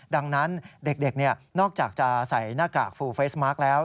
ดังนั้นเด็กนอกจากจะใส่หน้ากากฟูเฟสมาร์คแล้ว